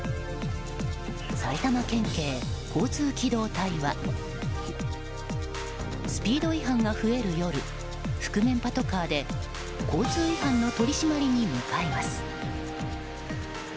埼玉県警交通機動隊はスピード違反が増える夜覆面パトカーで、交通違反の取り締まりに向かいます。